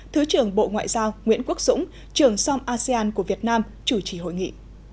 thứ trưởng bộ ngoại giao nguyễn quốc dũng trưởng som asean của việt nam chủ trì hội nghị